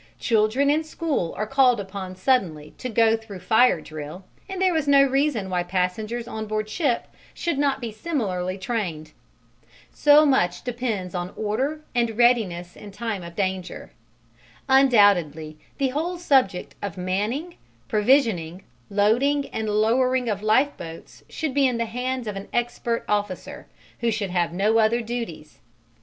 Children in school are called upon suddenly to go through fire drill, and there is no reason why passengers on board ship should not be similarly trained. So much depends on order and readiness in time of danger. Undoubtedly, the whole subject of manning, provisioning, loading and lowering of lifeboats should be in the hands of an expert officer, who should have no other duties.